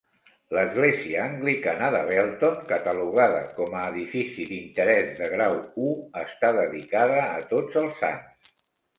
L'església anglicana de Belton, catalogada com a edifici d'interès de grau I, està dedicada a Tots els Sants.